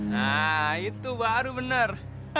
nah itu baru bener